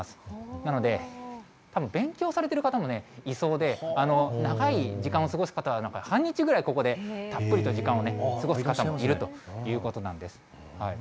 なので、たぶん勉強されてる方もいそうで、長い時間を過ごす方なんかは、半日ぐらい、ここでたっぷりと時間を過ごす方もいるということなんです。